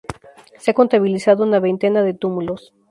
Se han contabilizado una veintena de túmulos.